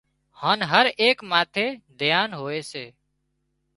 هانَ هر ايڪ ماٿي ڌيان هوئي سي